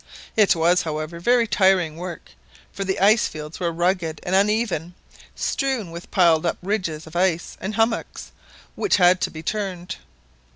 It was, however, very tiring work, for the ice fields were rugged and uneven, strewn with piled up ridges of ice and hummocks which had to be turned.